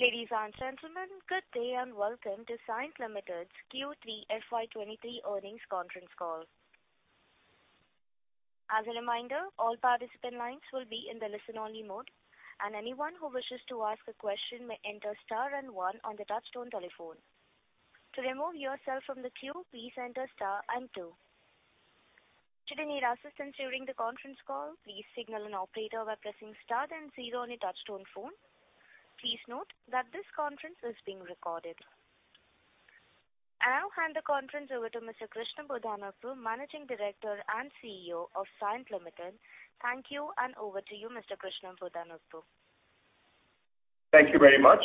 Ladies and gentlemen, good day, and welcome to Cyient Limited's Q3FY 2023 earnings conference call. As a reminder, all participant lines will be in the listen-only mode, and anyone who wishes to ask a question may enter star and one on the touchtone telephone. To remove yourself from the queue, please enter star and two. Should you need assistance during the conference call, please signal an operator by pressing star then zero on your touchtone phone. Please note that this conference is being recorded. I now hand the conference over to Mr. Krishna Bodanapu, Managing Director and CEO of Cyient Limited. Thank you, and over to you, Mr. Krishna Bodanapu. Thank you very much.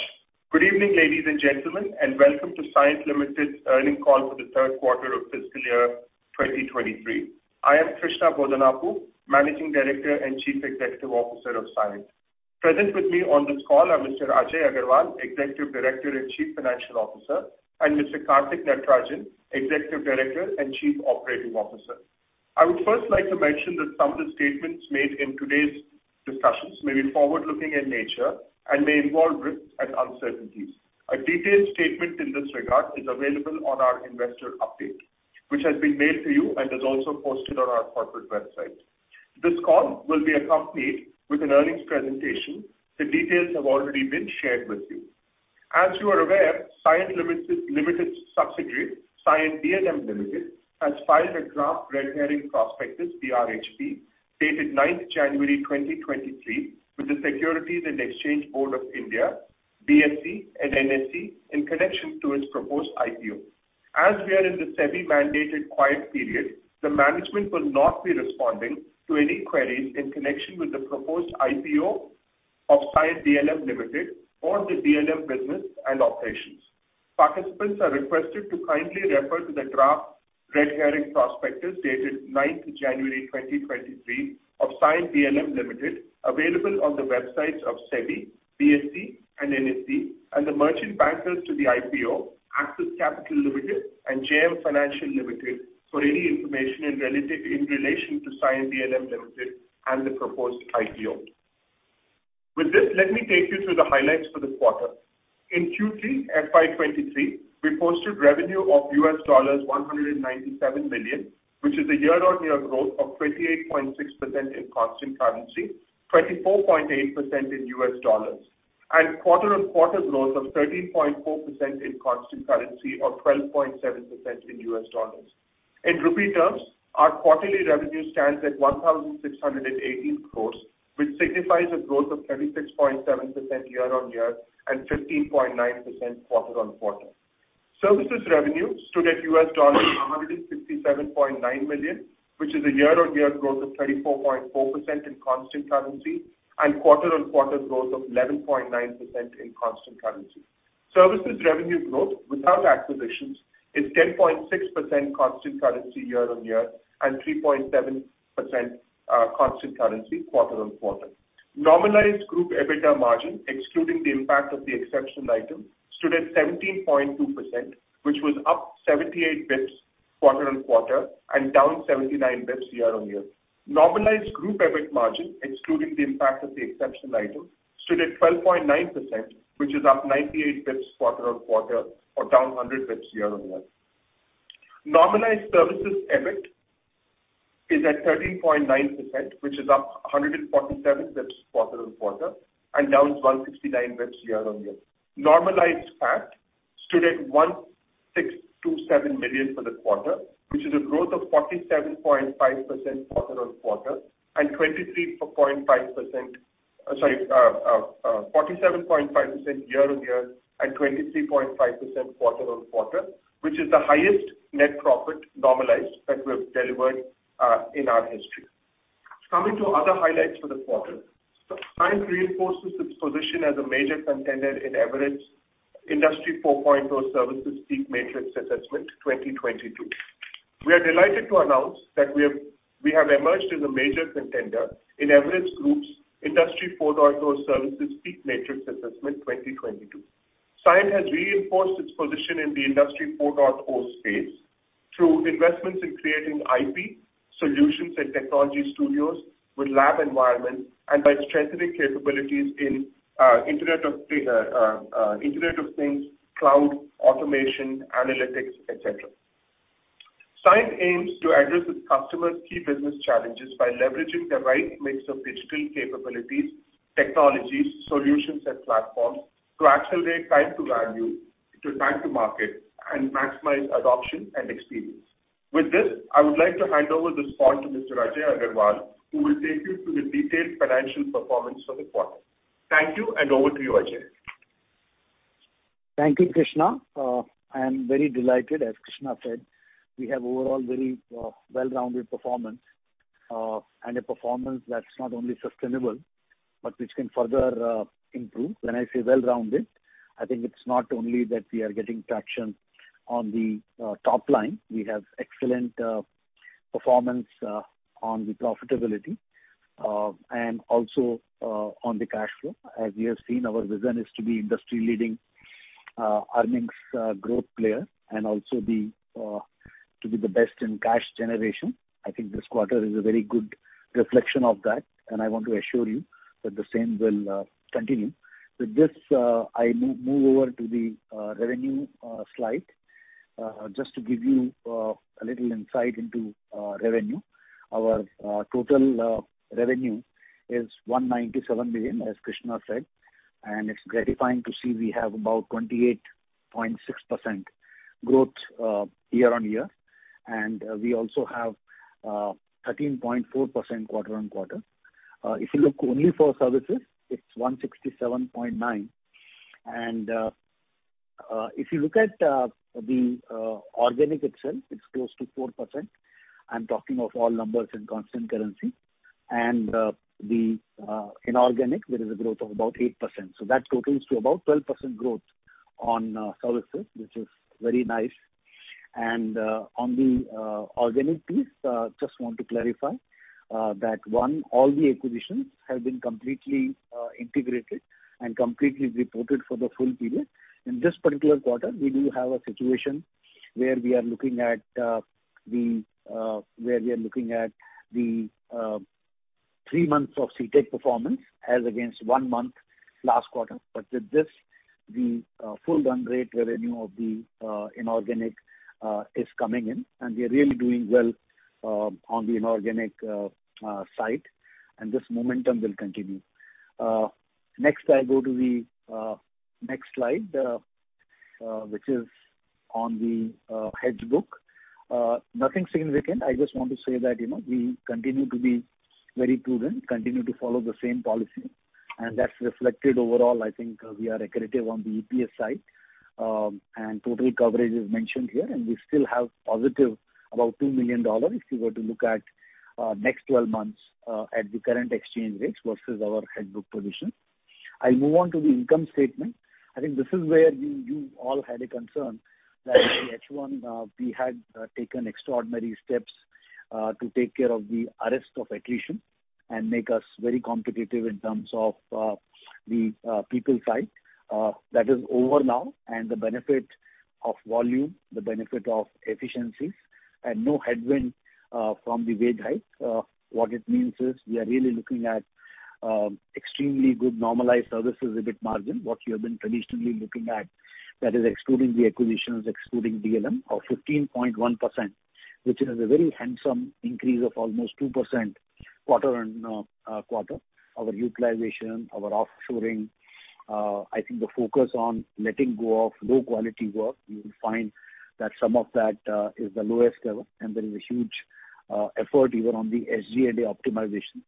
Good evening, ladies and gentlemen, and welcome to Cyient Limited's earnings call for the 3rd quarter of fiscal year 2023. I am Krishna Bodanapu, Managing Director and Chief Executive Officer of Cyient. Present with me on this call are Mr. Ajay Aggarwal, Executive Director and Chief Financial Officer, Mr. Karthik Natarajan, Executive Director and Chief Operating Officer. I would first like to mention that some of the statements made in today's discussions may be forward-looking in nature and may involve risks and uncertainties. A detailed statement in this regard is available on our investor update, which has been mailed to you and is also posted on our corporate website. This call will be accompanied with an earnings presentation. The details have already been shared with you. As you are aware, Cyient Limited's subsidiary, Cyient DLM Limited, has filed a draft red herring prospectus, DRHP, dated 9th January 2023 with the Securities and Exchange Board of India, BSE and NSE in connection to its proposed IPO. As we are in the SEBI-mandated quiet period, the management will not be responding to any queries in connection with the proposed IPO of Cyient DLM Limited or the DLM business and operations. Participants are requested to kindly refer to the draft red herring prospectus dated 9th January 2023 of Cyient DLM Limited, available on the websites of SEBI, BSE and NSE, and the merchant bankers to the IPO, Axis Capital Limited and JM Financial Limited, for any information in relation to Cyient DLM Limited and the proposed IPO. With this, let me take you through the highlights for the quarter. In Q3FY 2023, we posted revenue of $197 million, which is a year-on-year growth of 28.6% in constant currency, 24.8% in US dollars, quarter-on-quarter growth of 13.4% in constant currency or 12.7% in U.S. dollars. In rupee terms, our quarterly revenue stands at 1,680 crores, which signifies a growth of 36.7% year-on-year and 15.9% quarter-on-quarter. Services revenue stood at $167.9 million, which is a year-on-year growth of 34.4% in constant currency and quarter-on-quarter growth of 11.9% in constant currency. Services revenue growth without acquisitions is 10.6% constant currency year-on-year and 3.7% constant currency quarter-on-quarter. Normalized group EBITDA margin, excluding the impact of the exceptional item, stood at 17.2%, which was up 78 bps quarter-on-quarter and down 79 bps year-on-year. Normalized group EBIT margin, excluding the impact of the exceptional item, stood at 12.9%, which is up 98 bps quarter-on-quarter or down 100 bps year-on-year. Normalized services EBIT is at 13.9%, which is up 147 bps quarter-on-quarter and down 169 bps year-on-year. Normalized PAT stood at 1,627 million for the quarter, which is a growth of 47.5% quarter-on-quarter and 23.5%... 47.5% year-on-year and 23.5% quarter-on-quarter, which is the highest net profit normalized that we have delivered in our history. Coming to other highlights for the quarter. Cyient reinforces its position as a major contender in Everest Industry 4.0 Services PEAK Matrix Assessment 2022. We are delighted to announce that we have emerged as a major contender in Everest Group's Industry 4.0 Services PEAK Matrix Assessment 2022. Cyient has reinforced its position in the Industry 4.0 space through investments in creating IP solutions and technology studios with lab environments and by strengthening capabilities in Internet of Things, cloud, automation, analytics, et cetera. Cyient aims to address its customers' key business challenges by leveraging the right mix of digital capabilities, technologies, solutions, and platforms to accelerate time to value to time to market and maximize adoption and experience. With this, I would like to hand over this call to Mr. Ajay Aggarwal, who will take you through the detailed financial performance for the quarter. Thank you, and over to you, Ajay. Thank you, Krishna. I am very delighted. As Krishna said, we have overall very well-rounded performance, and a performance that's not only sustainable but which can further improve. When I say well-rounded, I think it's not only that we are getting traction on the top line. We have excellent performance on the profitability, and also on the cash flow. As you have seen, our vision is to be industry-leading. Earnings growth player and also to be the best in cash generation. I think this quarter is a very good reflection of that, and I want to assure you that the same will continue. With this, I move over to the revenue slide. Just to give you a little insight into revenue. Our total revenue is 197 billion, as Krishna said. It's gratifying to see we have about 28.6% growth year-on-year. We also have 13.4% quarter-on-quarter. If you look only for services, it's 167.9 billion. If you look at the organic itself, it's close to 4%. I'm talking of all numbers in constant currency. The inorganic, there is a growth of about 8%. That totals to about 12% growth on services, which is very nice. On the organic piece, just want to clarify that one, all the acquisitions have been completely integrated and completely reported for the full period. In this particular quarter, we do have a situation where we are looking at the three months of Celfinet performance as against one month last quarter. With this the full run rate revenue of the inorganic is coming in, and we are really doing well on the inorganic side, and this momentum will continue. Next, I go to the next slide, which is on the hedge book. Nothing significant. I just want to say that, you know, we continue to be very prudent, continue to follow the same policy, that's reflected overall, I think we are accretive on the EPS side. Total coverage is mentioned here, and we still have positive about $2 million if you were to look at next 12 months at the current exchange rates versus our head book position. I'll move on to the income statement. I think this is where you all had a concern that in H1, we had taken extraordinary steps to take care of the arrest of attrition and make us very competitive in terms of the people side. That is over now, the benefit of volume, the benefit of efficiencies and no headwind from the wage hike. What it means is we are really looking at extremely good normalized services, EBIT margin, what you have been traditionally looking at, that is excluding the acquisitions, excluding DLM of 15.1%, which is a very handsome increase of almost 2% quarter-on-quarter. Our utilization, our offshoring, I think the focus on letting go of low quality work, you will find that some of that is the lowest ever, and there is a huge effort even on the SG&A optimization.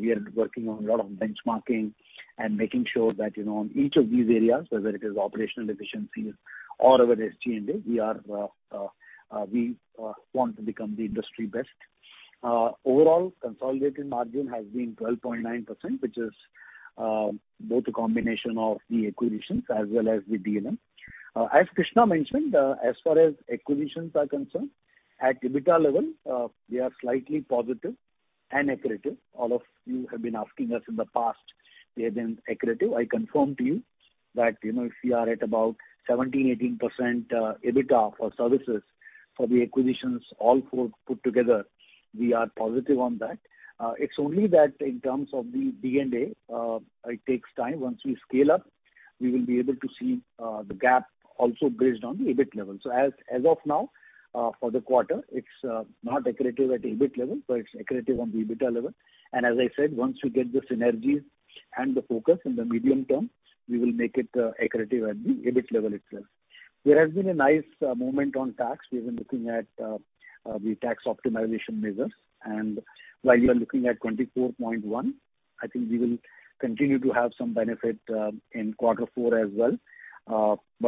We are working on a lot of benchmarking and making sure that, you know, on each of these areas, whether it is operational efficiencies or our SG&A, we want to become the industry best. Overall consolidated margin has been 12.9%, which is both a combination of the acquisitions as well as the DLM. As Krishna mentioned, as far as acquisitions are concerned, at EBITDA level, we are slightly positive and accretive. All of you have been asking us in the past, we have been accretive. I confirm to you that, you know, if we are at about 17%-18% EBITDA for services for the acquisitions, all four put together, we are positive on that. It's only that in terms of the D&A, it takes time. Once we scale up, we will be able to see the gap also bridged on the EBIT level. As of now, for the quarter, it's not accretive at EBIT level, but it's accretive on the EBITDA level. As I said, once you get the synergies and the focus in the medium term, we will make it accretive at the EBIT level itself. There has been a nice movement on tax. We've been looking at the tax optimization measures. While we are looking at 24.1, I think we will continue to have some benefit in quarter four as well.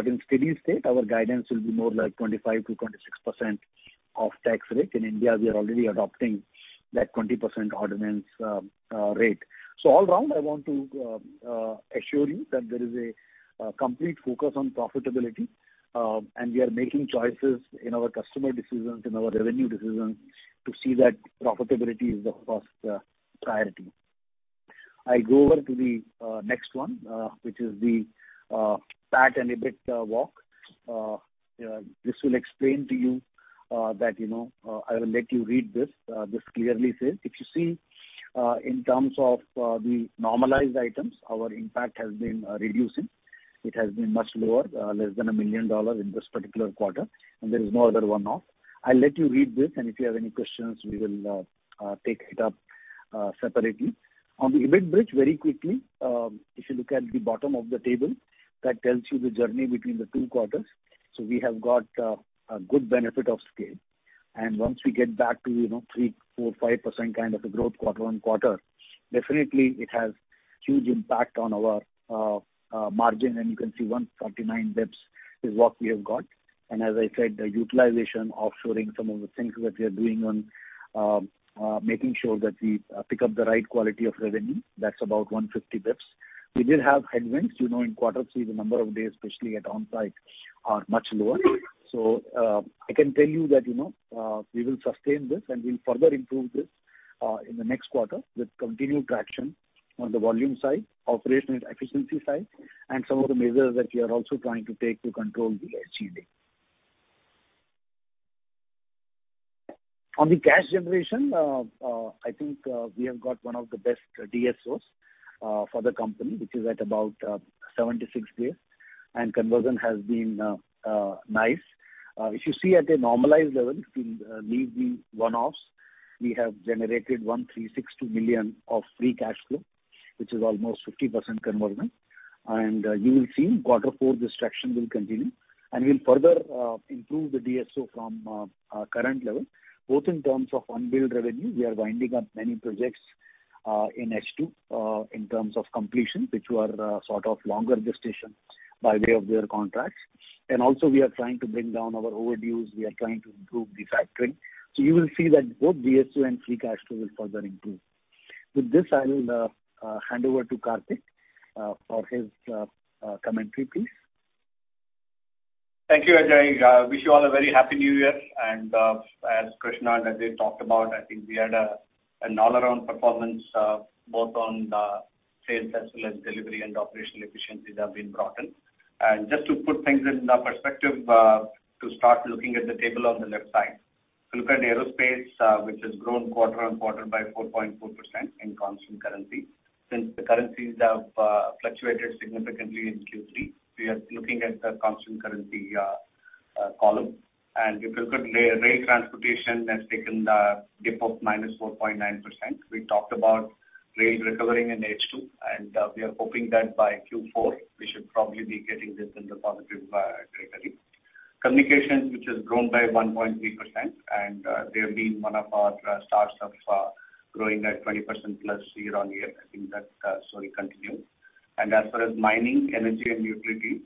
In steady state, our guidance will be more like 25%-26% of tax rate. In India, we are already adopting that 20% ordinance rate. All round, I want to assure you that there is a complete focus on profitability. We are making choices in our customer decisions, in our revenue decisions to see that profitability is the first priority. I go over to the next one, which is the PAT and EBIT walk. This will explain to you that, you know, I will let you read this. This clearly says if you see, in terms of the normalized items, our impact has been reducing. It has been much lower, less than $1 million in this particular quarter. There is no other one-off. I'll let you read this, and if you have any questions, we will take it up separately. On the EBIT bridge, very quickly, if you look at the bottom of the table, that tells you the journey between the two quarters. We have got a good benefit of scale. Once we get back to 3%, 4%, 5% kind of a growth quarter-over-quarter, definitely it has huge impact on our margin. You can see 139 bps is what we have got. As I said, the utilization, offshoring some of the things that we are doing on making sure that we pick up the right quality of revenue. That's about 150 bps. We did have headwinds in quarter three, the number of days, especially at on-site, are much lower. I can tell you that we will sustain this, and we'll further improve this. In the next quarter with continued traction on the volume side, operational efficiency side, and some of the measures that we are also trying to take to control the HDA. On the cash generation, I think, we have got one of the best DSOs for the company, which is at about 76 days, and conversion has been nice. If you see at a normalized level, if you leave the one-offs, we have generated 1.362 billion of Free Cash Flow, which is almost 50% conversion. You will see in quarter four, this traction will continue. We'll further improve the DSO from our current level, both in terms of unbilled revenue, we are winding up many projects in H2 in terms of completion, which were sort of longer gestation by way of their contracts. Also, we are trying to bring down our overdues, we are trying to improve the factoring. You will see that both DSO and Free Cash Flow will further improve. With this, I will hand over to Karthik for his commentary, please. Thank you, Ajay. Wish you all a very happy new year, as Krishna and Ajay talked about, I think we had an all-around performance, both on the sales as well as delivery and operational efficiencies have been brought in. Just to put things into perspective, to start looking at the table on the left side. Look at aerospace, which has grown quarter-on-quarter by 4.4% in constant currency. Since the currencies have fluctuated significantly in Q3, we are looking at the constant currency column. If you look at rail transportation has taken a dip of -4.9%. We talked about rail recovering in H2, we are hoping that by Q4, we should probably be getting this in the positive territory. Communications, which has grown by 1.3%, they've been one of our stars of growing at 20%+ year-on-year. I think that story continues. As far as mining, energy and utilities,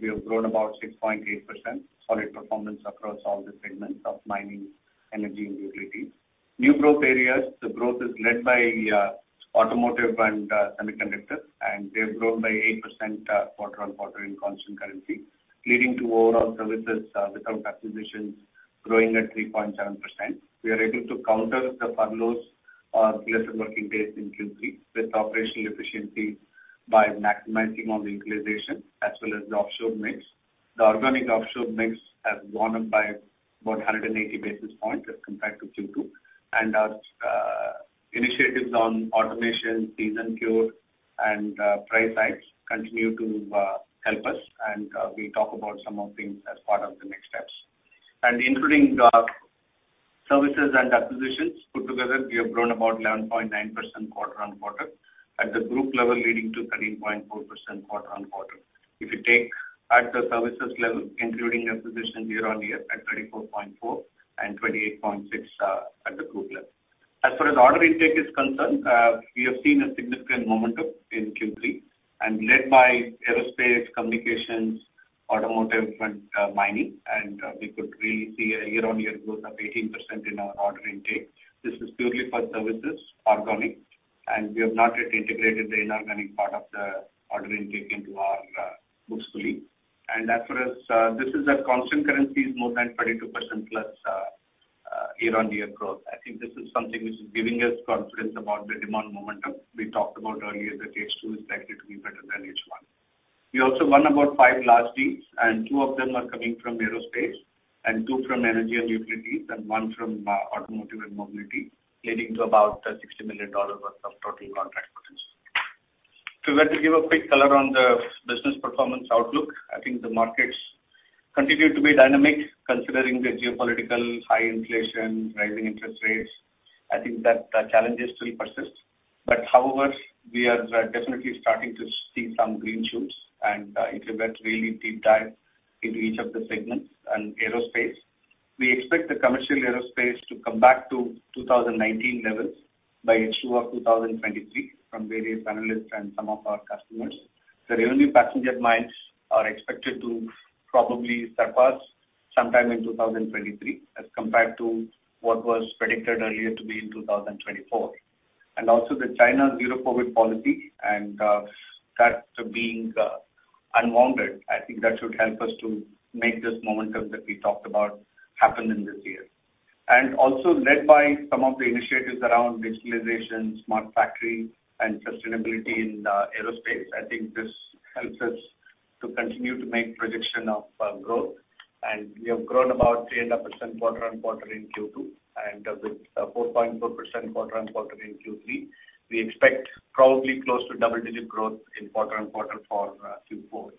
we have grown about 6.8%. Solid performance across all the segments of mining, energy and utilities. New growth areas, the growth is led by automotive and semiconductors, they've grown by 8% quarter-on-quarter in constant currency, leading to overall services without acquisitions growing at 3.7%. We are able to counter the furloughs or lesser working days in Q3 with operational efficiency by maximizing on utilization as well as the offshore mix. The organic offshore mix has gone up by about 180 basis points as compared to Q2. Our initiatives on automation, S-curve, and price hikes continue to help us, and we'll talk about some of things as part of the next steps. Including the services and acquisitions put together, we have grown about 11.9% quarter-over-quarter at the group level, leading to 13.4% quarter-over-quarter. If you take at the services level, including acquisitions year-over-year at 34.4% and 28.6% at the group level. As far as order intake is concerned, we have seen a significant momentum in Q3 and led by aerospace, communications, automotive, and mining. We could really see a year-over-year growth of 18% in our order intake. This is purely for services, organic. We have not yet integrated the inorganic part of the order intake into our books fully. As far as this is at constant currencies more than 22% plus year-on-year growth. I think this is something which is giving us confidence about the demand momentum. We talked about earlier that H2 is likely to be better than H1. We also won about five large deals, and two of them are coming from aerospace and two from energy and utilities and one from automotive and mobility, leading to about $60 million worth of total contract potential. Let me give a quick color on the business performance outlook. I think the markets continue to be dynamic considering the geopolitical, high inflation, rising interest rates. I think that the challenges will persist. We are definitely starting to see some green shoots. If you get really deep dive into each of the segments and aerospace. We expect the commercial aerospace to come back to 2019 levels by H2 of 2023 from various analysts and some of our customers. The Revenue Passenger Miles are expected to probably surpass sometime in 2023 as compared to what was predicted earlier to be in 2024. Also the China zero COVID policy and that being unwounded, I think that should help us to make this momentum that we talked about happen in this year. Also led by some of the initiatives around digitalization, smart factory and sustainability in aerospace. I think this helps us to continue to make prediction of growth. We have grown about 3.5% quarter-over-quarter in Q2. With 4.4% quarter-over-quarter in Q3, we expect probably close to double-digit growth quarter-over-quarter for Q4.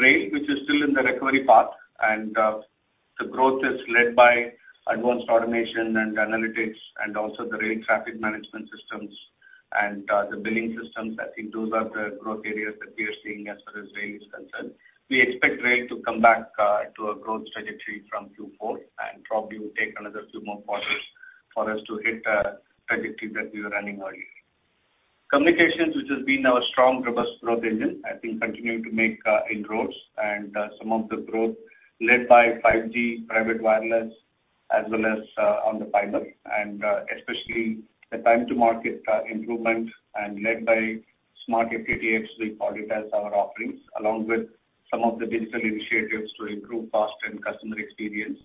Rail, which is still in the recovery path, and the growth is led by advanced automation and analytics and also the Rail Traffic Management Systems and the billing systems. I think those are the growth areas that we are seeing as far as rail is concerned. We expect rail to come back to a growth trajectory from Q4 and probably will take another few more quarters for us to hit trajectory that we were running earlier. Communications, which has been our strong robust growth engine, I think continuing to make inroads and some of the growth led by 5G private wireless as well as on the fiber, and especially the time to market improvement and led by Smart FTTx, we call it as our offerings, along with some of the digital initiatives to improve cost and customer experience.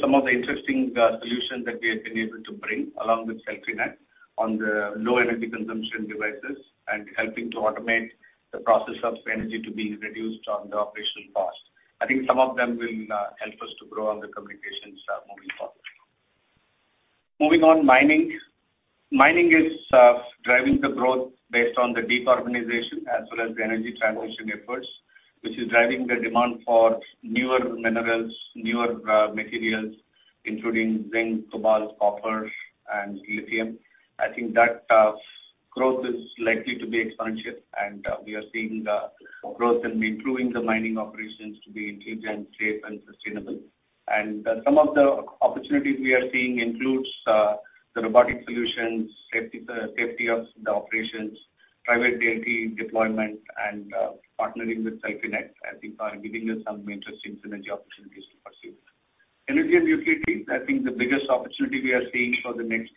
Some of the interesting solutions that we have been able to bring along with Celfinet on the low energy consumption devices and helping to automate the process of energy to being reduced on the operational cost. I think some of them will help us to grow on the communications moving forward. Moving on, mining. Mining is driving the growth based on the decarbonization as well as the energy transition efforts, which is driving the demand for newer minerals, newer materials, including zinc, cobalt, copper, and lithium. I think that growth is likely to be exponential, and we are seeing the growth in improving the mining operations to be intelligent, safe and sustainable. Some of the opportunities we are seeing includes the robotic solutions, safety of the operations, private 5G deployment and partnering with Celfinet, I think are giving us some interesting synergy opportunities to pursue. Energy and utilities, I think the biggest opportunity we are seeing for the next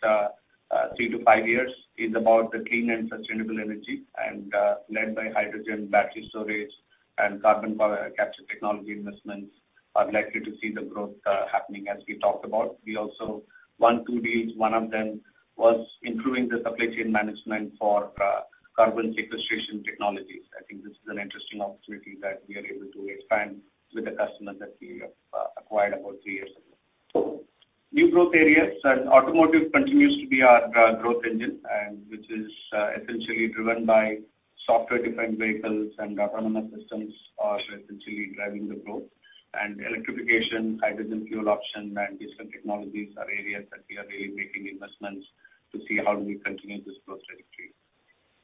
3-5 years is about the clean and sustainable energy and, led by hydrogen battery storage and carbon power capture technology investments are likely to see the growth happening as we talked about. We also won two deals. One of them was improving the supply chain management for carbon sequestration technologies. I think this is an interesting opportunity that we are able to expand with the customers that we have acquired about three years ago. New growth areas, and automotive continues to be our growth engine, and which is essentially driven by software-defined vehicles and autonomous systems are essentially driving the growth. Electrification, hydrogen fuel option and different technologies are areas that we are really making investments to see how do we continue this growth trajectory.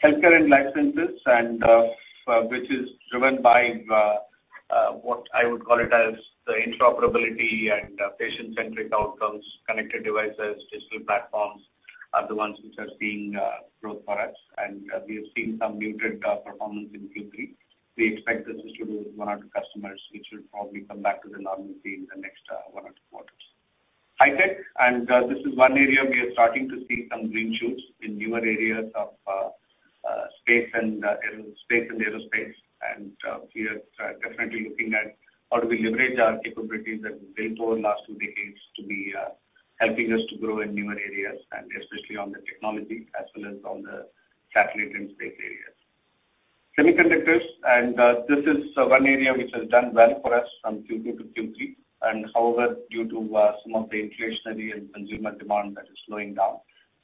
Healthcare and life sciences, which is driven by what I would call it as the interoperability and patient-centric outcomes, connected devices, digital platforms are the ones which are seeing growth for us. We have seen some muted performance in Q3. We expect this is due to one or two customers which will probably come back to the normalcy in the next one or two quarters. High tech, this is one area we are starting to see some green shoots in newer areas of space and aerospace. We are definitely looking at how do we leverage our capabilities that we built over last two decades to be helping us to grow in newer areas, and especially on the technology as well as on the satellite and space areas. Semiconductors, this is one area which has done well for us from Q2 to Q3. However, due to some of the inflationary and consumer demand that is slowing down,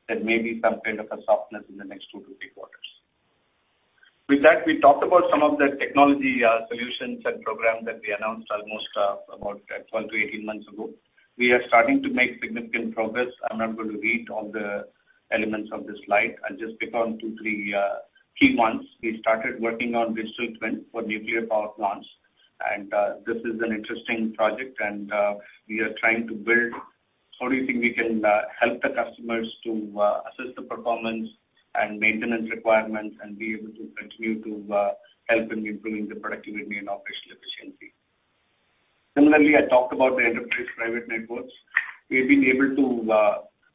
there may be some kind of a softness in the next 2-3 quarters. With that, we talked about some of the technology solutions and programs that we announced almost about 12-18 months ago. We are starting to make significant progress. I'm not going to read all the elements of this slide. I'll just pick on two, three key ones. We started working on digital twin for nuclear power plants, and this is an interesting project and we are trying to build how do you think we can help the customers to assess the performance and maintenance requirements and be able to continue to help in improving the productivity and operational efficiency. Similarly, I talked about the Enterprise Private Networks. We've been able to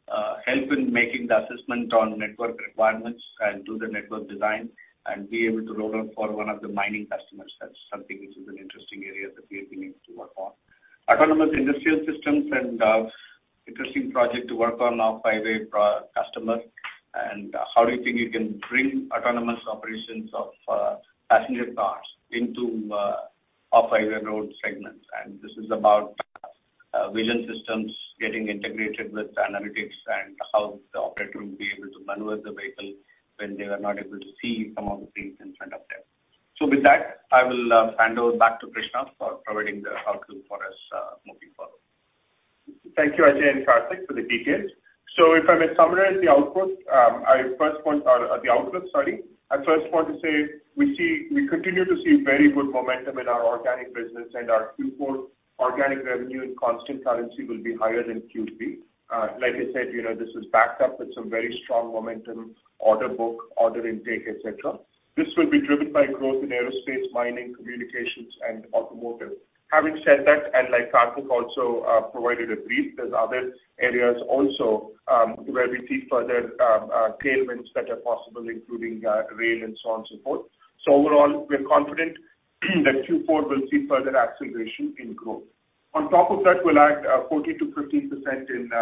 help in making the assessment on network requirements and do the network design and be able to roll out for one of the mining customers. That's something which is an interesting area that we are beginning to work on. Autonomous Industrial Systems and interesting project to work on our private customer. How do you think you can bring autonomous operations of passenger cars into off-highway road segments? This is about vision systems getting integrated with analytics and how the operator will be able to maneuver the vehicle when they are not able to see some of the things in front of them. With that, I will hand over back to Krishna for providing the outlook for us moving forward. Thank you, Ajay and Karthik for the details. If I may summarize the outlook, I first want to say we continue to see very good momentum in our organic business and our Q4 organic revenue in constant currency will be higher than Q3. Like I said, you know, this is backed up with some very strong momentum, order book, order intake, et cetera. This will be driven by growth in aerospace, mining, communications and automotive. Having said that, and like Karthik also provided a brief, there's other areas also where we see further tailwinds that are possible, including rail and so on, so forth. Overall, we're confident that Q4 will see further acceleration in growth. We'll add 14%-15% inFY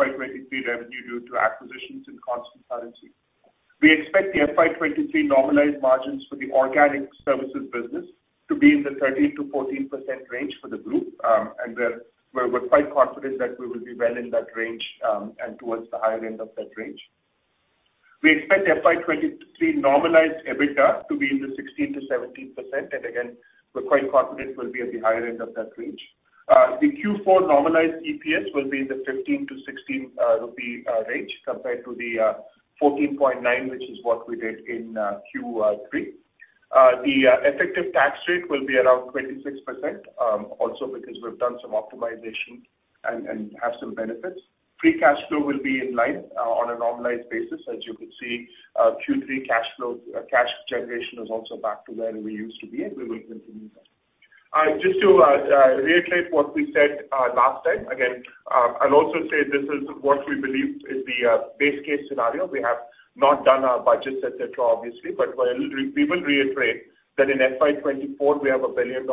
2023 revenue due to acquisitions in constant currency. We expect theFY 2023 normalized margins for the organic services business to be in the 13%-14% range for the group. We're quite confident that we will be well in that range and towards the higher end of that range. We expectFY 2023 normalized EBITDA to be in the 16%-17%. Again, we're quite confident we'll be at the higher end of that range. The Q4 normalized EPS will be in the 15-16 rupee range compared to the 14.9, which is what we did in Q3. The effective tax rate will be around 26%, also because we've done some optimization and have some benefits. Free cash flow will be in line on a normalized basis. As you could see, Q3 cash flow cash generation is also back to where we used to be, and we will continue that. Just to reiterate what we said last time, again, I'll also say this is what we believe is the base case scenario. We have not done our budgets, et cetera, obviously. We will reiterate that inFY 20 2024 we have a $1 billion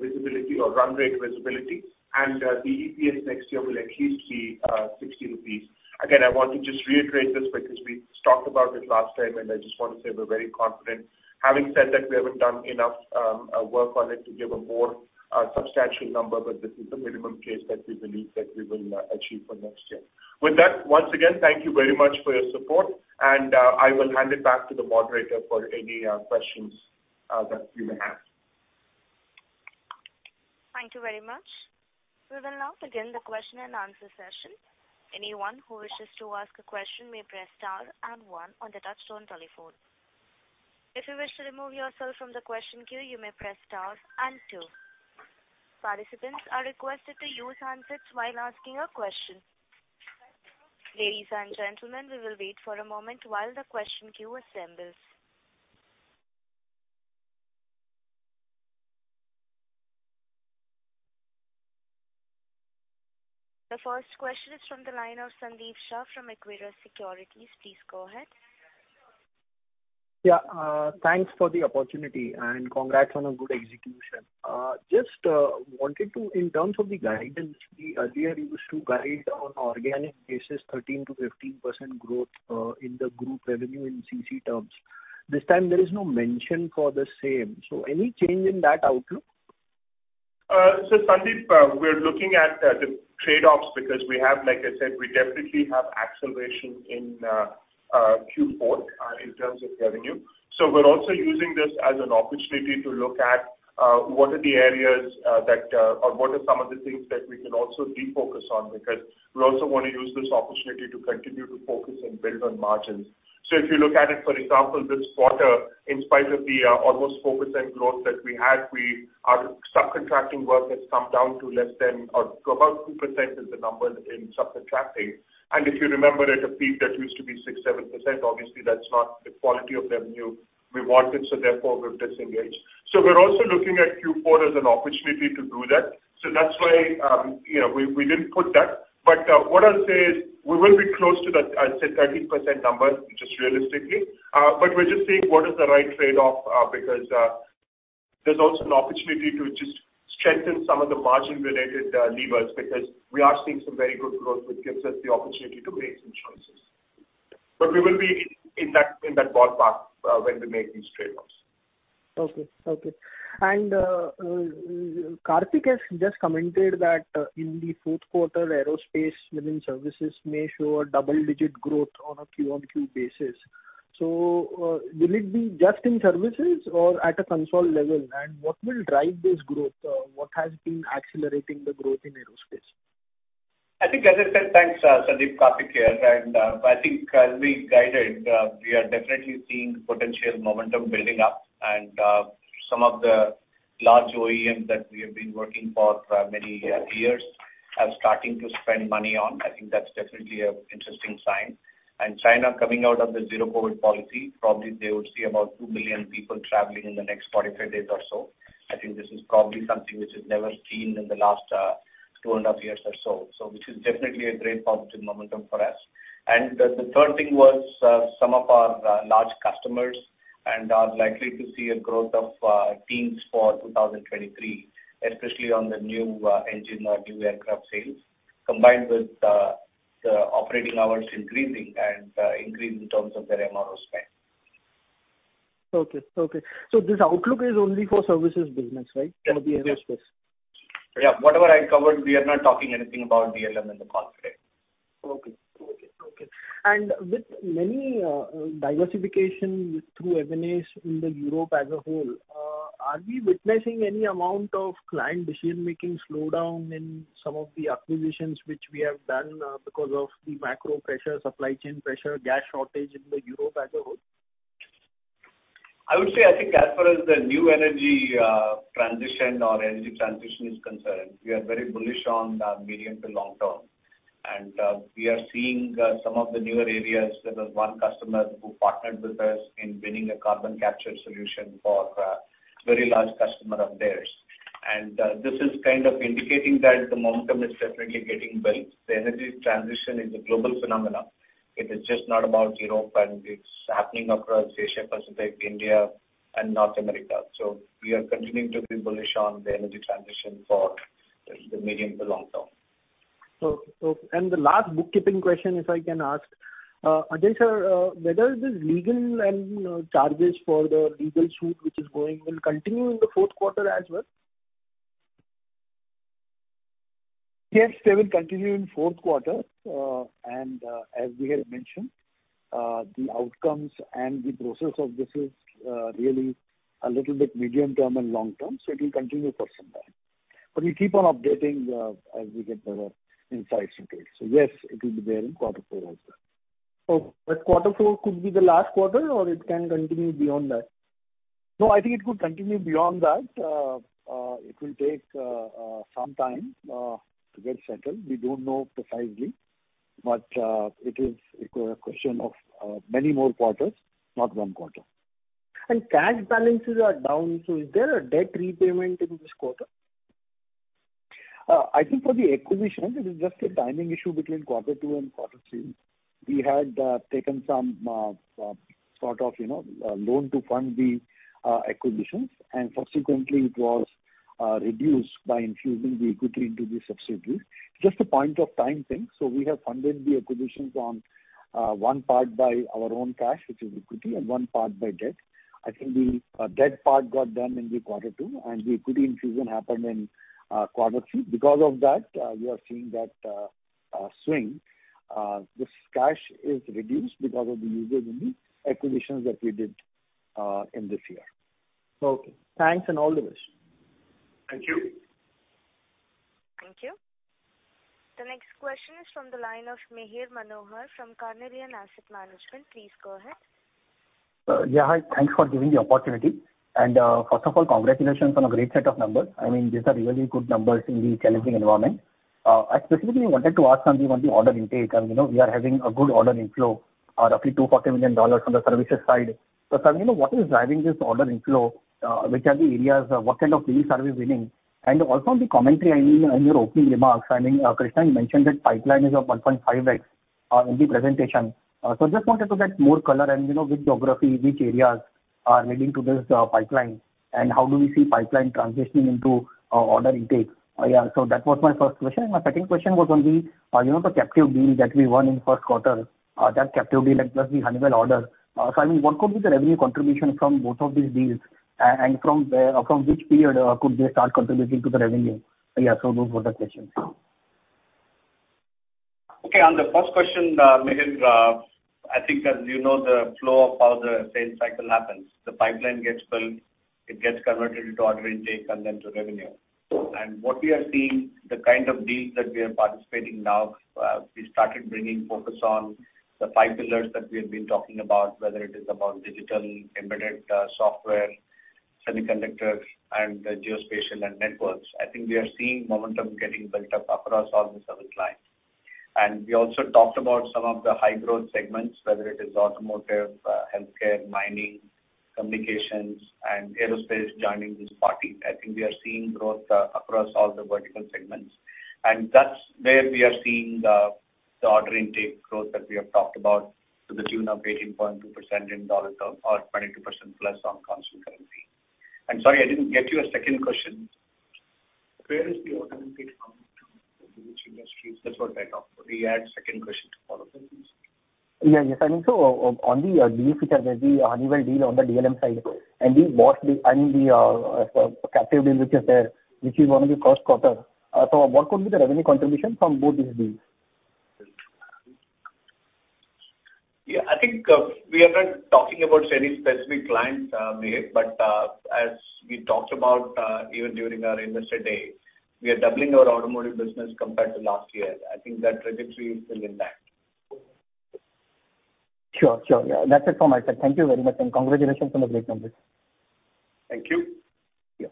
visibility or run rate visibility, and the EPS next year will at least be 60 rupees. Again, I want to just reiterate this because we talked about it last time, and I just want to say we're very confident. Having said that, we haven't done enough work on it to give a more substantial number, but this is the minimum case that we believe that we will achieve for next year. With that, once again, thank you very much for your support, and I will hand it back to the moderator for any questions that you may have. Thank you very much. We will now begin the question and answer session. Anyone who wishes to ask a question may press star and one on the touchtone telephone. If you wish to remove yourself from the question queue, you may press star and two. Participants are requested to use handsets while asking a question. Ladies and gentlemen, we will wait for a moment while the question queue assembles. The first question is from the line of Sandeep Shah from Equirus Securities. Please go ahead. Thanks for the opportunity, congrats on a good execution. Just wanted to, in terms of the guidance, we earlier used to guide on organic basis 13%-15% growth in the group revenue in CC terms. This time there is no mention for the same. Any change in that outlook? Sandeep, we're looking at the trade-offs because we have, like I said, we definitely have acceleration in Q4 in terms of revenue. We're also using this as an opportunity to look at what are the areas that or what are some of the things that we can also refocus on, because we also wanna use this opportunity to continue to focus and build on margins. If you look at it, for example, this quarter, in spite of the almost 4% growth that we had, our subcontracting work has come down to less than or about 2% is the number in subcontracting. If you remember, at a peak, that used to be 6%, 7%. Obviously, that's not the quality of revenue we wanted, so therefore we've disengaged. We're also looking at Q4 as an opportunity to do that. That's why, you know, we didn't put that. What I'll say is we will be close to that, I'd say, 13% number, just realistically. We're just seeing what is the right trade-off, because there's also an opportunity to just strengthen some of the margin-related levers because we are seeing some very good growth, which gives us the opportunity to make some choices. We will be in that ballpark, when we make these trade-offs. Okay. Okay. Karthik has just commented that in the fourth quarter, aerospace within services may show a double-digit growth on a Q-on-Q basis. Will it be just in services or at a console level? What will drive this growth? What has been ,the growth in aerospace? I think, as I said. Thanks, Sandeep. Karthik here. I think as we guided, we are definitely seeing potential momentum building up. Some of the large OEMs that we have been working for many years are starting to spend money on. I think that's definitely an interesting sign. China coming out of the Zero-COVID policy, probably they would see about 2 billion people traveling in the next 45 days or so. I think this is probably something which is never seen in the last 2.5 Years or so. Which is definitely a great positive momentum for us. The third thing was, some of our large customers and are likely to see a growth of teams for 2023, especially on the new engine or new aircraft sales, combined with the operating hours increasing and increase in terms of their MRO spend. Okay. This outlook is only for services business, right? For the aerospace. Yeah. Whatever I covered, we are not talking anything about DLM in the call today. Okay. With many diversification through M&As in Europe as a whole, are we witnessing any amount of client decision-making slowdown in some of the acquisitions which we have done because of the macro pressure, supply chain pressure, gas shortage in Europe as a whole? I would say, I think as far as the new energy, transition or energy transition is concerned, we are very bullish on the medium to long term. We are seeing, some of the newer areas. There was one customer who partnered with us in winning a carbon capture solution for a very large customer of theirs. This is kind of indicating that the momentum is definitely getting built. The energy transition is a global phenomena. It is just not about Europe, and it's happening across Asia-Pacific, India and North America. We are continuing to be bullish on the energy transition for the medium to long term. Okay. Okay. The last bookkeeping question, if I can ask. Ajay, sir, whether this legal and charges for the legal suit which is going will continue in the fourth quarter as well? Yes, they will continue in fourth quarter. As we had mentioned, the outcomes and the process of this is really a little bit medium term and long term, so it will continue for some time. We keep on updating as we get better insights into it. Yes, it will be there in quarter four as well. Okay. Quarter four could be the last quarter or it can continue beyond that? No, I think it could continue beyond that. It will take some time to get settled. We don't know precisely. It is a question of many more quarters, not one quarter. Cash balances are down. Is there a debt repayment in this quarter? I think for the acquisitions, it is just a timing issue between quarter two and quarter three. We had taken some sort of, you know, loan to fund the acquisitions, and subsequently it was reduced by infusing the equity into the subsidiaries. Just a point of time thing. We have funded the acquisitions on one part by our own cash, which is equity, and one part by debt. I think the debt part got done in the quarter two, and the equity infusion happened in quarter three. You are seeing that swing. This cash is reduced because of the usage in the acquisitions that we did in this year. Okay. Thanks and all the best. Thank you. Thank you. The next question is from the line of Mihir Manohar from Carnelian Asset Management. Please go ahead. Yeah, hi. Thanks for giving the opportunity. First of all, congratulations on a great set of numbers. I mean, these are really good numbers in the challenging environment. I specifically wanted to ask something on the order intake. You know, we are having a good order inflow of roughly $240 million from the services side. Sanjiv, what is driving this order inflow? Which are the areas? What kind of deals are we winning? Also on the commentary, I mean, in your opening remarks, I mean, Krishna, you mentioned that pipeline is at 1.5x, in the presentation. Just wanted to get more color and, you know, which geography, which areas are leading to this pipeline and how do we see pipeline transitioning into order intake? That was my first question. My second question was on the, you know, the captive deal that we won in first quarter, that captive deal and plus the Honeywell order. Sanjiv, what could be the revenue contribution from both of these deals? From which period could they start contributing to the revenue? Those were the questions. Okay. On the first question, Mihir, I think as you know the flow of how the sales cycle happens, the pipeline gets filled, it gets converted into order intake and then to revenue. What we are seeing, the kind of deals that we are participating now, we started bringing focus on the five pillars that we have been talking about, whether it is about digital, embedded, software, semiconductors and geospatial and networks. I think we are seeing momentum getting built up across all the seven clients. We also talked about some of the high-growth segments, whether it is automotive, healthcare, mining, communications and aerospace joining this party. I think we are seeing growth across all the vertical segments. That's where we are seeing the order intake growth that we have talked about to the tune of 18.2% in dollar term or 22%+ on constant currency. I'm sorry I didn't get your second question. Where is the order intake coming from? In which industries? That's what I talked. May you add second question to follow this, please? Yeah. Yes, I mean, on the deals which are there, the Honeywell deal on the DLM side and the Bosch and the captive deal which is there, which is won in the first quarter. What could be the revenue contribution from both these deals? Yeah. I think, we are not talking about any specific clients, Mihir, but, as we talked about, even during our Investor Day, we are doubling our automotive business compared to last year. I think that trajectory is still intact. Sure. Sure. Yeah. That's it from my side. Thank you very much, and congratulations on the great numbers. Thank you. Yeah.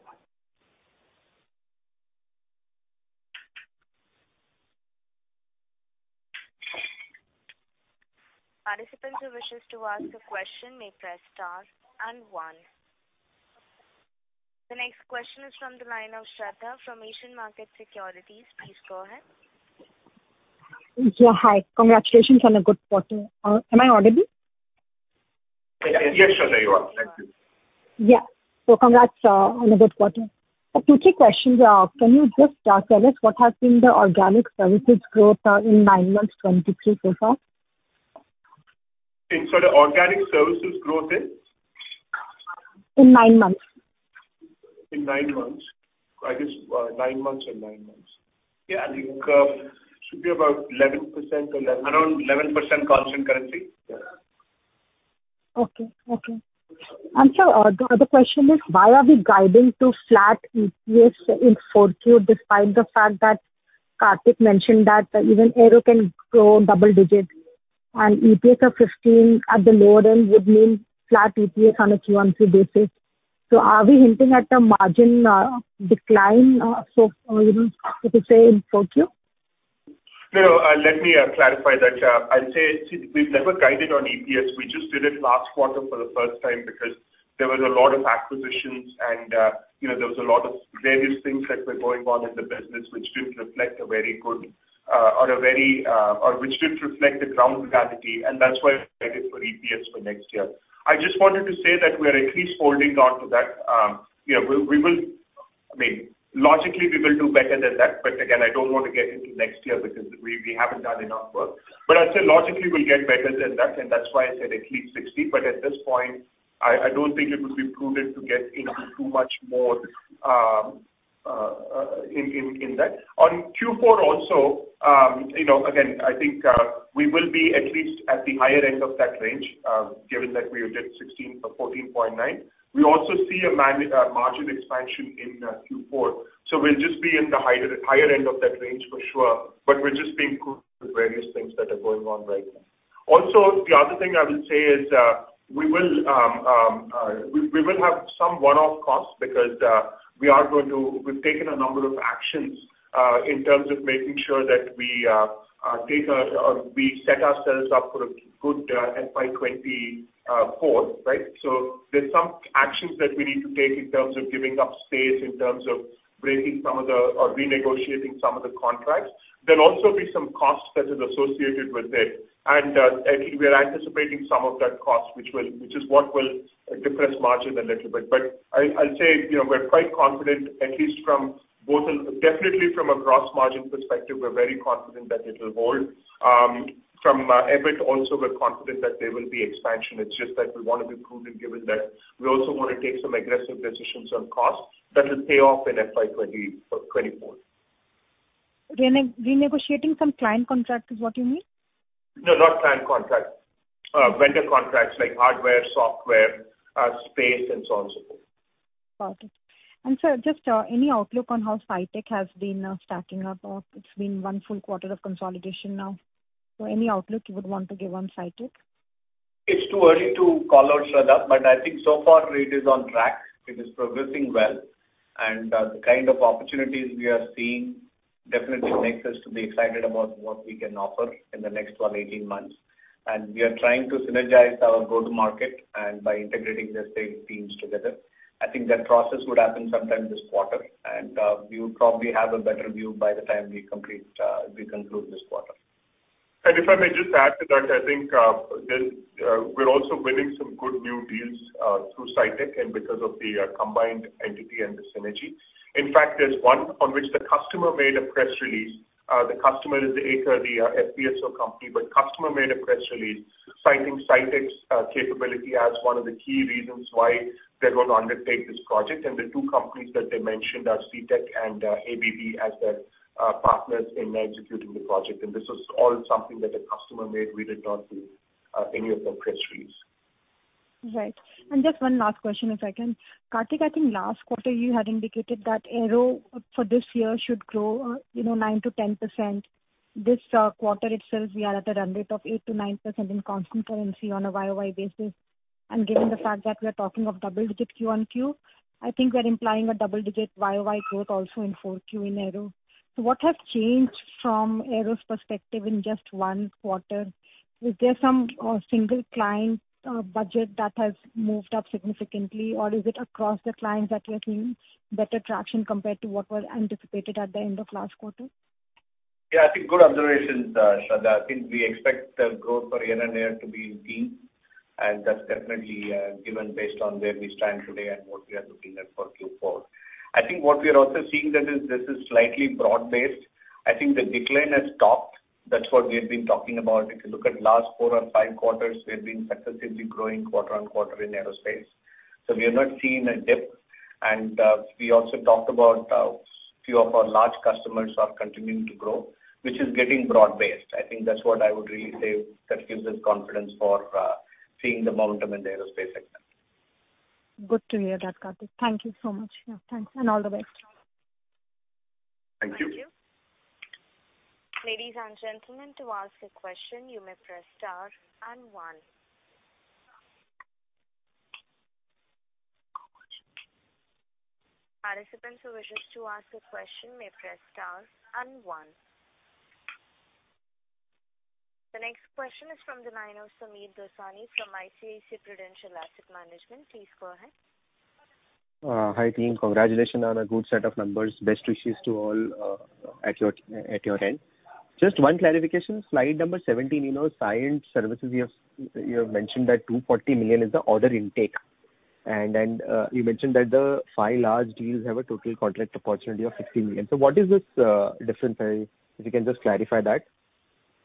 Participant who wishes to ask a question may press star and one. The next question is from the line of Shradha from Asian Market Securities. Please go ahead. Yeah. Hi. Congratulations on a good quarter. Am I audible? Yeah. Yes, Shradha, you are. Thank you. Yeah. Congrats on a good quarter. Two, three questions. Can you just tell us what has been the organic services growth in nine months 2023 so far? Sorry, organic services growth in? In nine months. In nine months. I guess, nine months. Yeah, I think, should be about 11% or around 11% constant currency. Yeah. Okay. Okay. Sir, the other question is why are we guiding to flat EPS in 4Q despite the fact that Karthik mentioned that even Aero can grow double digits and EPS of 15 at the lower end would mean flat EPS on a QOQ basis. Are we hinting at a margin decline, you could say in 4Q? No, let me clarify that. I'd say, see, we've never guided on EPS. We just did it last quarter for the first time because there was a lot of acquisitions and, you know, there was a lot of various things that were going on in the business which didn't reflect a very good, or a very, or which didn't reflect the ground reality. That's why I guided for EPS for next year. I just wanted to say that we are at least holding on to that. Yeah, we will... I mean, logically, we will do better than that. Again, I don't want to get into next year because we haven't done enough work. I'd say logically we'll get better than that. That's why I said at least 16. At this point, I don't think it would be prudent to get into too much more in that. On Q4 also, you know, again, I think we will be at least at the higher end of that range, given that we did 16 or 14.9. We also see a margin expansion in Q4. We'll just be in the higher end of that range for sure. We're just being cautious with various things that are going on right now. Also, the other thing I will say is, we will have some one-off costs because we've taken a number of actions in terms of making sure that we take a... We set ourselves up for a goodFY 20 2024. There's some actions that we need to take in terms of giving up space, in terms of breaking some of the or renegotiating some of the contracts. There'll also be some costs that is associated with it. I think we are anticipating some of that cost, which is what will depress margin a little bit. I'll say, you know, we're quite confident, at least from both a. Definitely from a gross margin perspective, we're very confident that it'll hold. From EBIT also we're confident that there will be expansion. It's just that we wanna be prudent given that we also wanna take some aggressive decisions on costs that will pay off in FY 2024. Renegotiating some client contracts is what you mean? No, not client contracts. Vendor contracts, like hardware, software, space and so on, so forth. Got it. sir, just, any outlook on how Citec has been stacking up? It's been one full quarter of consolidation now. any outlook you would want to give on Citec? It's too early to call out, Shradha, but I think so far it is on track. It is progressing well. The kind of opportunities we are seeing definitely makes us to be excited about what we can offer in the next 12, 18 months. We are trying to synergize our go-to-market and by integrating the state teams together. I think that process would happen sometime this quarter, and, we would probably have a better view by the time we complete, we conclude this quarter. If I may just add to that, I think, there's, we're also winning some good new deals through Citec and because of the combined entity and the synergy. In fact, there's one on which the customer made a press release. The customer is the Aker Solutions, the FPSO company. Customer made a press release citing Citec's capability as one of the key reasons why they're gonna undertake this project. The two companies that they mentioned are Citec and ABB as their partners in executing the project. This was all something that the customer made. We did not do any of the press release. Right. Just one last question, if I can. Karthik, I think last quarter you had indicated that Aero for this year should grow, you know, 9%-10%. This quarter itself we are at a run rate of 8%-9% in constant currency on a year-over-year basis. Given the fact that we are talking of double digit quarter-on-quarter, I think we are implying a double digit year-over-year growth also in full Q in Aero. What has changed from Aero's perspective in just one quarter? Is there some single client budget that has moved up significantly, or is it across the clients that we are seeing better traction compared to what was anticipated at the end of last quarter? Yeah, I think good observations, Shradha. I think we expect, growth for year-on-year to be deep, and that's definitely, given based on where we stand today and what we are looking at for Q4. I think what we are also seeing that is this is slightly broad-based. I think the decline has topped. That's what we have been talking about. If you look at last four or five quarters, we've been successively growing quarter-on-quarter in aerospace. We have not seen a dip. We also talked about, few of our large customers are continuing to grow, which is getting broad-based. I think that's what I would really say that gives us confidence for, seeing the momentum in the aerospace sector. Good to hear that, Karthik. Thank you so much. Yeah, thanks, and all the best. Thank you. Thank you. Ladies and gentlemen, to ask a question, you may press star and one. Participants who wishes to ask a question may press star and one. The next question is from the line of Sameer Dosani from ICICI Prudential Asset Management. Please go ahead. Hi, team. Congratulations on a good set of numbers. Best wishes to all at your end. Just one clarification. Slide number 17, you know, Cyient services, you have mentioned that $240 million is the order intake. Then, you mentioned that the five large deals have a total contract opportunity of $15 million. What is this difference? If you can just clarify that.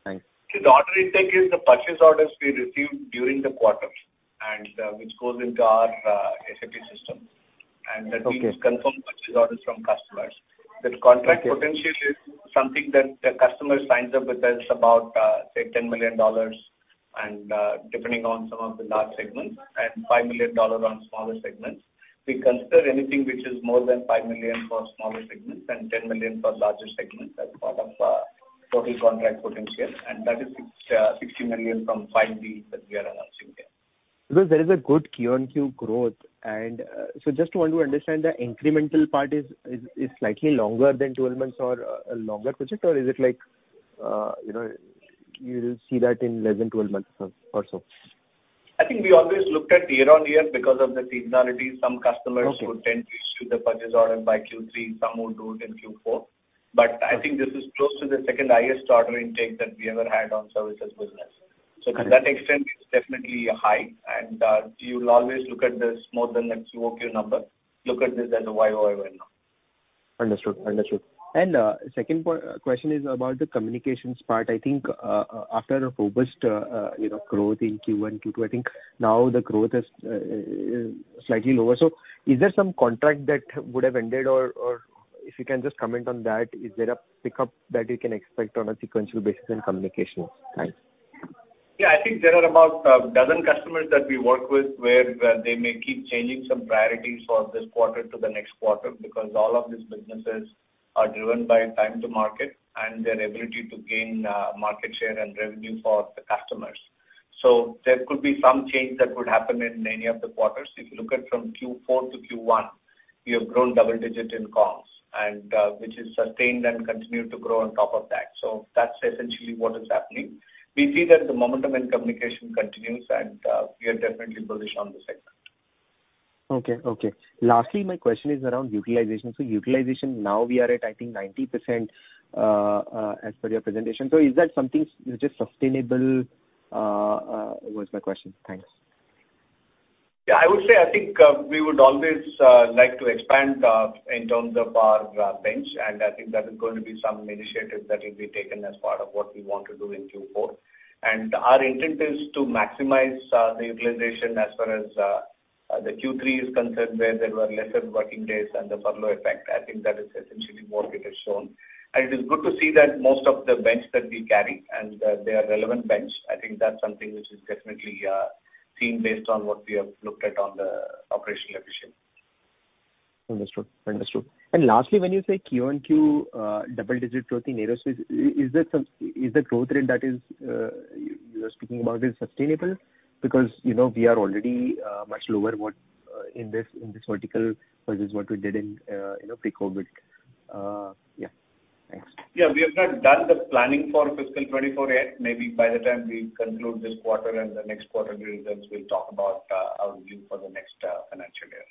Thanks. The order intake is the purchase orders we received during the quarter and, which goes into our SAP system. Okay. That means confirmed purchase orders from customers. Okay. The contract potential is something that the customer signs up with us about, say, $10 million and, depending on some of the large segments and $5 million on smaller segments. We consider anything which is more than $5 million for smaller segments and $10 million for larger segments as part of total contract potential, and that is $60 million from five deals that we are announcing here. There is a good Q-on-Q growth and, so just want to understand the incremental part is slightly longer than 12 months or a longer project or is it like, you know, you'll see that in less than 12 months or so? I think we always looked at year-over-year because of the seasonality. Okay. Some customers would tend to issue the purchase order by Q3, some would do it in Q4. Okay. I think this is close to the second highest order intake that we ever had on services business. Okay. To that extent, it's definitely high. You'll always look at this more than a QOQ number. Look at this as a YOY right now. Understood. Understood. Second question is about the communications part. I think, after a robust, you know, growth in Q1, Q2, I think now the growth is slightly lower. Is there some contract that would have ended or if you can just comment on that, is there a pickup that you can expect on a sequential basis in communications? Thanks. Yeah. I think there are about a dozen customers that we work with where they may keep changing some priorities for this quarter to the next quarter because all of these businesses are driven by time to market and their ability to gain market share and revenue for the customers. There could be some change that would happen in any of the quarters. If you look at from Q4 -Q1, we have grown double-digit in comms and which has sustained and continued to grow on top of that. That's essentially what is happening. We see that the momentum in communication continues, and we are definitely positioned on this segment. Okay. Okay. Lastly, my question is around utilization. Utilization now we are at, I think, 90% as per your presentation. Is that something which is sustainable was my question. Thanks. Yeah, I would say I think, we would always like to expand in terms of our bench, and I think that is going to be some initiative that will be taken as part of what we want to do in Q4. Our intent is to maximize the utilization as far as the Q3 is concerned, where there were lesser working days and the furlough effect. I think that is essentially what it has shown. It is good to see that most of the bench that we carry and they are relevant bench. I think that's something which is definitely seen based on what we have looked at on the operational efficiency. Understood. Understood. Lastly, when you say QOQ, double-digit growth in aerospace, Is the growth rate that is you are speaking about is sustainable? Because, you know, we are already much lower what in this, in this vertical versus what we did in, you know, pre-COVID. Yeah. Thanks. We have not done the planning for fiscal 2024 yet. Maybe by the time we conclude this quarter and the next quarter results, we'll talk about our view for the next financial year.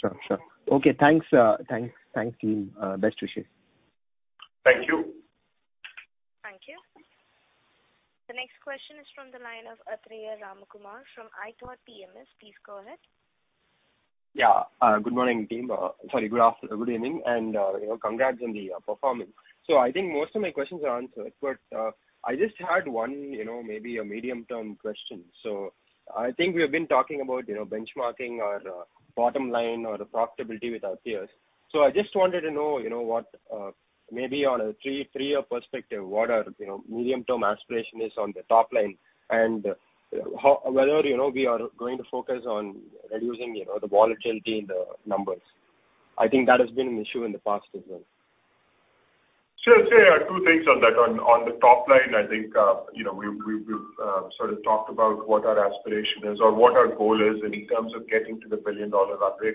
Sure. Sure. Okay, thanks. Thanks. Thank you. Best wishes. Thank you. Thank you. The next question is from the line of Athreya Ramakumar from iThought PMS. Please go ahead. Yeah. Good morning, team. Sorry, good evening and, you know, congrats on the performance. I think most of my questions are answered, but I just had one, you know, maybe a medium-term question. I think we have been talking about, you know, benchmarking our bottom line or the profitability with our peers. I just wanted to know, you know, what maybe on a three-year perspective, what are, you know, medium-term aspiration is on the top line and whether, you know, we are going to focus on reducing, you know, the volatility in the numbers? I think that has been an issue in the past as well. Sure. Say, two things on that. On the top line, I think, you know, we've sort of talked about what our aspiration is or what our goal is in terms of getting to the billion-dollar revenue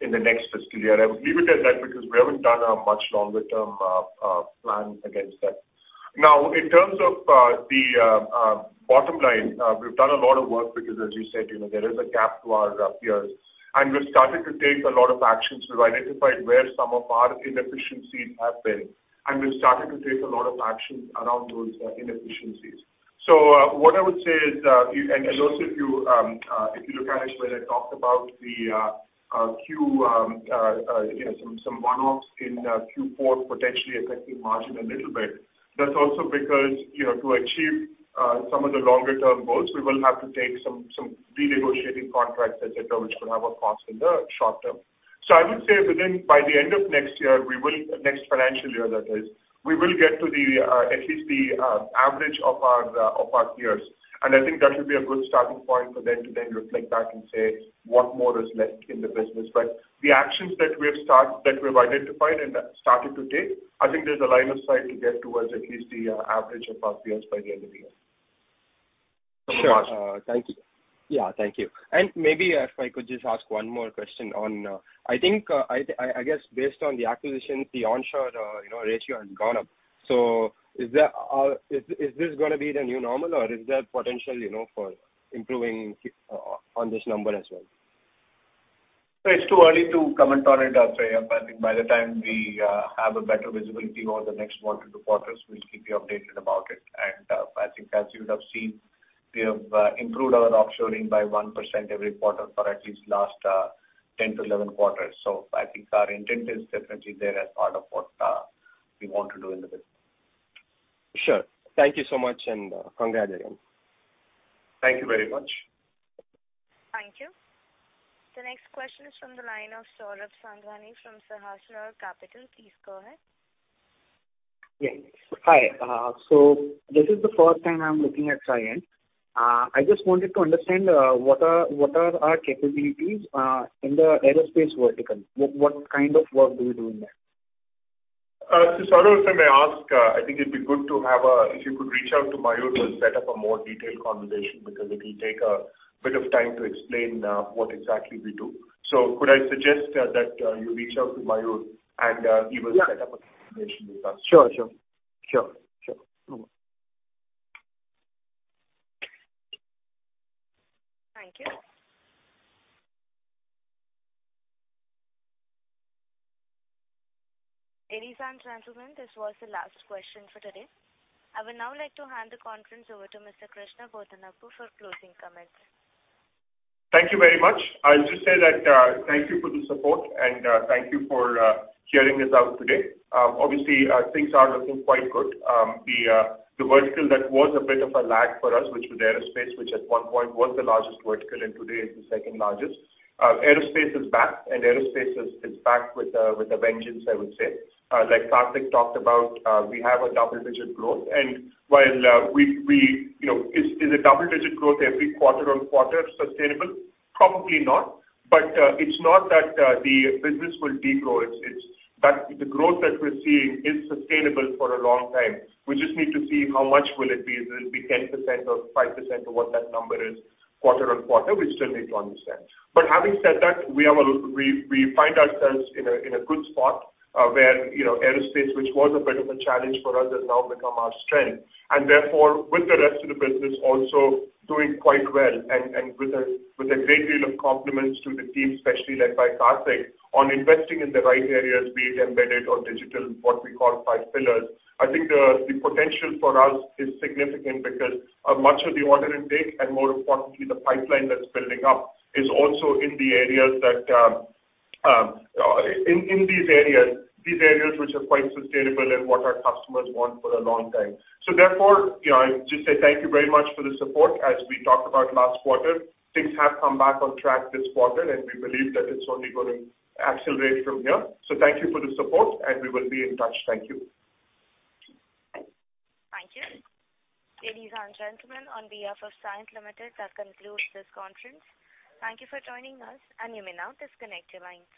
in the next fiscal year. I would leave it at that because we haven't done a much longer-term plan against that. In terms of the bottom line, we've done a lot of work because as you said, you know, there is a gap to our peers, and we've started to take a lot of actions. We've identified where some of our inefficiencies have been, and we've started to take a lot of actions around those inefficiencies. What I would say is, and also if you, if you look at it where I talked about the Q, you know, some one-offs in Q4 potentially affecting margin a little bit. That's also because, you know, to achieve some of the longer-term goals, we will have to take some renegotiating contracts, et cetera, which could have a cost in the short term. I would say by the end of next year, next financial year that is, we will get to the at least the average of our peers. I think that will be a good starting point for then to then reflect back and say what more is left in the business. The actions that we have identified and started to take, I think there's a line of sight to get towards at least the average of our peers by the end of the year. Sure. Thank you. Yeah. Thank you. Maybe if I could just ask one more question on, I think, I guess based on the acquisitions, the onshore, you know, ratio has gone up. Is there, is this gonna be the new normal or is there potential, you know, for improving on this number as well? It's too early to comment on it, Athreya. I think by the time we have a better visibility over the next 1 to 2 quarters, we'll keep you updated about it. I think as you would have seen, we have improved our offshoring by 1% every quarter for at least last 10 to 11 quarters. I think our intent is definitely there as part of what we want to do in the business. Sure. Thank you so much and congrats again. Thank you very much. Thank you. The next question is from the line of Saurabh Sadhwani from Sahasra Capital. Please go ahead. Yeah. Hi. This is the first time I'm looking at Cyient. I just wanted to understand, what are our capabilities, in the aerospace vertical. What kind of work do you do in there? Saurabh, if I may ask, I think it'd be good. If you could reach out to Mayur, we'll set up a more detailed conversation because it'll take a bit of time to explain what exactly we do. Could I suggest that you reach out to Mayur and. Yeah. He will set up a conversation with us. Sure. Sure. Sure. Sure. Thank you. Ladies and gentlemen, this was the last question for today. I would now like to hand the conference over to Mr. Krishna Bodanapu for closing comments. Thank you very much. I'll just say that, thank you for the support and, thank you for hearing this out today. Obviously, things are looking quite good. The vertical that was a bit of a lag for us, which was aerospace, which at one point was the largest vertical and today is the second largest. Aerospace is back, and aerospace is back with a vengeance, I would say. Like Karthik talked about, we have a double-digit growth. While, we, you know, is a double-digit growth every quarter-over-quarter sustainable? Probably not. It's not that the business will de-grow. It's that the growth that we're seeing is sustainable for a long time. We just need to see how much will it be. Will it be 10% or 5% or what that number is quarter-on-quarter? We still need to understand. Having said that, we find ourselves in a good spot where, you know, aerospace, which was a bit of a challenge for us, has now become our strength and therefore with the rest of the business also doing quite well and with a great deal of compliments to the team, especially led by Karthik on investing in the right areas, be it embedded or digital, what we call five pillars. I think the potential for us is significant because much of the order intake and more importantly the pipeline that's building up is also in these areas which are quite sustainable and what our customers want for a long time. Therefore, you know, I'd just say thank you very much for the support. As we talked about last quarter, things have come back on track this quarter. We believe that it's only going to accelerate from here. Thank you for the support. We will be in touch. Thank you. Thank you. Ladies and gentlemen, on behalf of Cyient Limited, that concludes this conference. Thank you for joining us. You may now disconnect your lines.